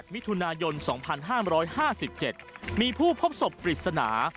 มิถุนายน๒๕๕๗มีผู้พบศพปริศนา